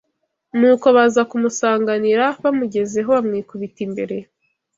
Nuko baza kumusanganira, bamugezeho bamwikubita imbere